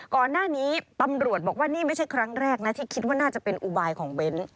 ก่อนหน้านี้ตำรวจบอกว่านี่ไม่ใช่ครั้งแรกนะที่คิดว่าน่าจะเป็นอุบายของเบ้น